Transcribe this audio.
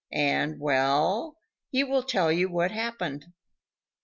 And well, he will tell you what happened.